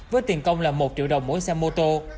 với tiền công là một triệu đồng mỗi xe mô tô